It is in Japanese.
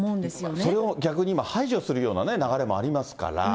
それを逆に今、排除するような流れもありますから。